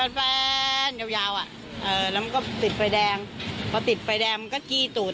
ต้องเข้ามาห้ามอ่ะต้องเข้ามาแยกทั้งคู่อ่ะค่ะ